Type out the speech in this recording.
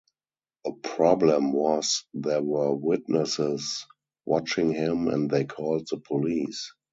The problem was there were witnesses watching him and they called the police.